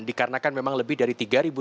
dikarenakan memang lebih dari tiga